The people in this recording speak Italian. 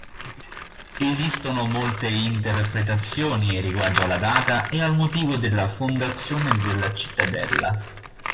Esistono molte interpretazioni riguardo alla data e al motivo della fondazione della cittadella.